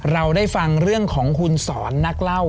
เราได้ฟังเรื่องของคุณสอนนักเล่า